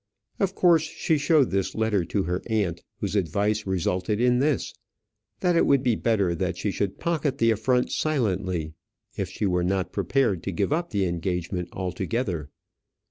Of course she showed the letter to her aunt, whose advice resulted in this that it would be better that she should pocket the affront silently if she were not prepared to give up the engagement altogether.